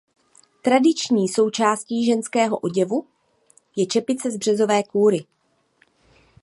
Tradiční součástí ženského oděvu je čepice z březové kůry.